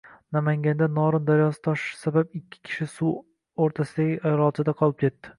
Namanganda Norin daryosi toshishi sabab ikki kishi suv o‘rtasidagi orolchada qolib ketdi